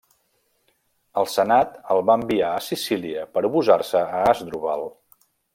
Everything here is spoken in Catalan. El senat el va enviar a Sicília per oposar-se a Àsdrubal.